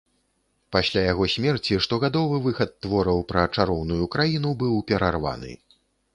Пасля яго смерці штогадовы выхад твораў пра чароўную краіну быў перарваны.